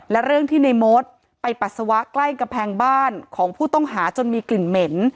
และเรื่องที่ในมดไปปัสสาวะใกล้กำแพงบ้านของผู้ต้องหาจนมีกลิ่นเหม็น